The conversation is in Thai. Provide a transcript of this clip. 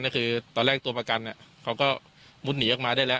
ก็คือตอนแรกตัวประกันเขาก็มุดหนีออกมาได้แล้ว